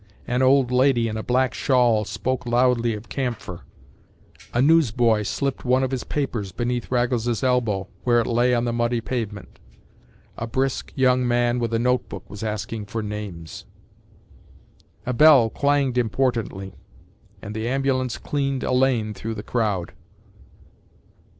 An old lady in a black shawl spoke loudly of camphor; a newsboy slipped one of his papers beneath Raggles’s elbow, where it lay on the muddy pavement. A brisk young man with a notebook was asking for names. A bell clanged importantly, and the ambulance cleaned a lane through the crowd.